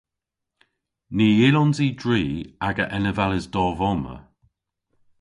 Ny yllons i dri aga enevales dov omma.